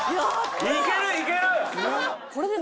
いけるいける！